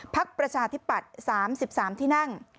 ประชาธิปัตย์๓๓ที่นั่ง